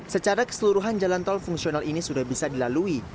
secara keseluruhan jalan tol fungsional ini sudah bisa dilalui